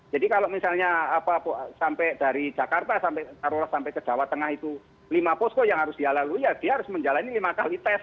jadi kalau misalnya sampai dari jakarta sampai ke jawa tengah itu lima posko yang harus dia lalui ya dia harus menjalani lima kali tes